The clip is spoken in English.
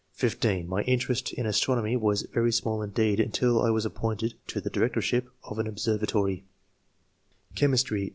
(15) My interest in astronomy was very small indeed, until I was appointed [to the directorship of an observatory]. Chemistry.